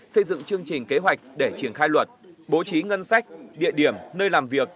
xây dựng chương trình kế hoạch để triển khai luật bố trí ngân sách địa điểm nơi làm việc